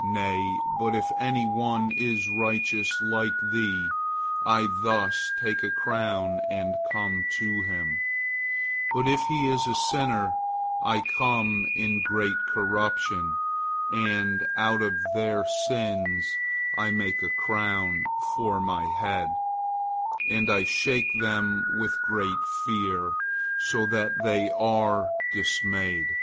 Nay, but if any one is righteous like thee, I thus take a crown and come to him, but if he is a sinner, I come in great corruption, and out of their sins I make a crown for my head, and I shake them with great fear, so that they are dismayed."